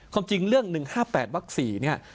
ความจริงเรื่อง๑๕๘วัก๔เนี่ย